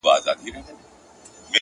ثابت قدمي منزل ته رسوي,